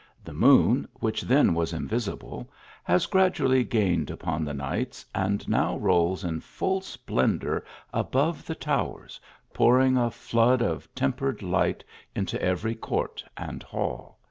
The moon, which then was invisible, has gradually gained upon the nights, and now rolls in full splendour above the towers, pouring a flood of tempered light into every court and hall.